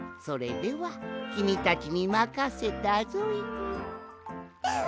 それではきみたちにまかせたぞい！